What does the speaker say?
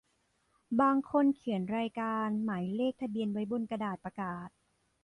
บางคนเขียนรายการหมายเลขทะเบียนไว้บนกระดานประกาศ